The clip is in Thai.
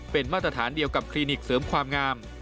เป็นมาตรฐานเดียวกับคลินิกเสริมความงาม